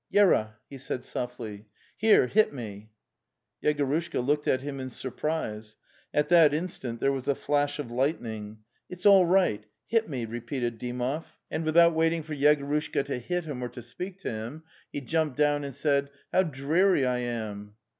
, wera li") he said softly, " here, hit mel) 7) Yegorushka looked at him in surprise. At that instant there was a flash of lightning. "It's all right, hit me,' repeated Dymov. And 272 The Tales of Chekhov without waiting for Yegorushka to hit him or ta speak to him, he jumped down and said: ' How dreary I am!"